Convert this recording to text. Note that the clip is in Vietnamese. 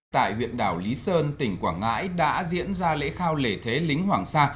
tại huyện đảo lý sơn tỉnh quảng ngãi đã diễn ra lễ khao lễ thế lính hoàng sa